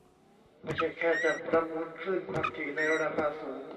ไม่ใช่แค่จัดประมูลคลื่นความถี่ในราคาสูง